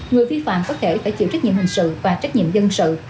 người vi phạm có thể phải chịu trách nhiệm hình sự và trách nhiệm dân sự